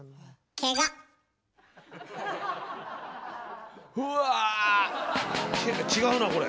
けが違うなこれ。